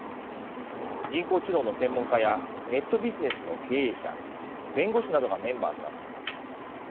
人工知能の専門家やネットビジネスの経営者弁護士などがメンバーとなっています。